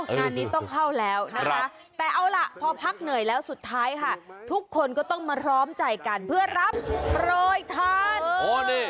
งานนี้ต้องเข้าแล้วนะคะแต่เอาล่ะพอพักเหนื่อยแล้วสุดท้ายค่ะทุกคนก็ต้องมาพร้อมใจกันเพื่อรับโปรยทาน